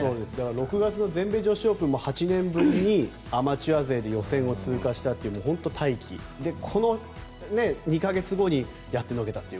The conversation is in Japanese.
６月の全米女子オープンも８年ぶりにアマチュア勢で予選を通過したのは本当に快挙でこの２か月後にやってのけたと。